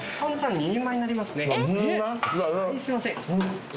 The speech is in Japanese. はいすいません